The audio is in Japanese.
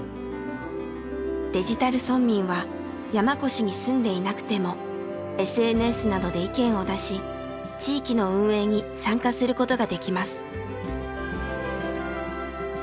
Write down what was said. デジタル村民は山古志に住んでいなくてもＳＮＳなどで意見を出し地域の運営に参加することができます。